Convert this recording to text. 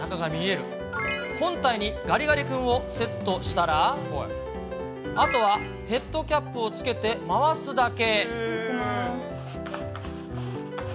本体にガリガリ君をセットしたら、あとはヘッドキャップをつけて回すだけ。